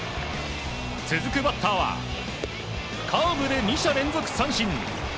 続くバッターはカーブで２者連続三振。